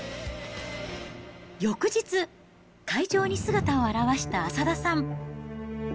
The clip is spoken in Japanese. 翌日、会場に姿を現した浅田さん。